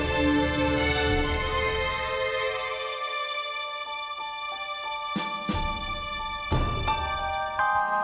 dek aku mau ke sana